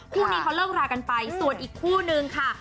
คู่นี้เขาเลิกรากันไปส่วนอีกคู่นึงค่ะ